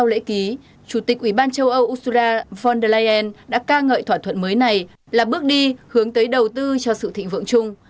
ký chủ tịch ủy ban châu âu ursura von der leyen đã ca ngợi thỏa thuận mới này là bước đi hướng tới đầu tư cho sự thịnh vượng chung